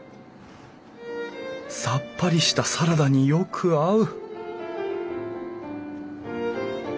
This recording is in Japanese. さっぱりしたサラダによく合う！